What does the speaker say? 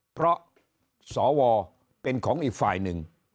เพราะสวเป็นของอีกฝ่ายหนึ่ง